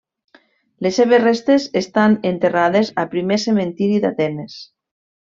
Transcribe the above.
Les seves restes estan enterrades a Primer Cementiri d'Atenes.